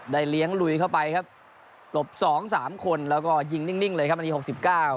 ได้เลี้ยงลุยเข้าไปครับหลบ๒๓คนแล้วก็ยิงนิ่งเลยครับอันนี้๖๙